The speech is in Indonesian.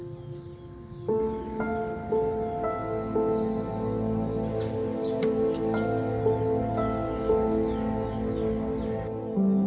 di pasangan tuhuk mengatakan bahwa dalam hayat pada ayah habis lahir audiobook ini